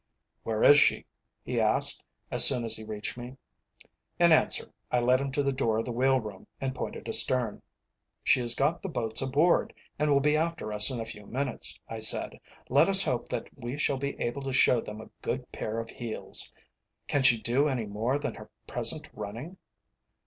"Where is she?" he asked, as soon as he reached me. In answer I led him to the door of the wheel room and pointed astern. "She has got the boats aboard, and will be after us in a few minutes," I said. "Let us hope that we shall be able to show them a good pair of heels. Can she do any more than her present running?"